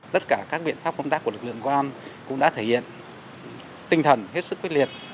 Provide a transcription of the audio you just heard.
tất cả các biện pháp công tác của lực lượng công an cũng đã thể hiện tinh thần hết sức quyết liệt